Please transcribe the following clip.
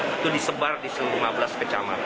itu disebar di seluruh abad